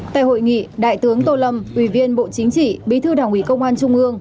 tại hội nghị đại tướng tô lâm ủy viên bộ chính trị bí thư đảng ủy công an trung ương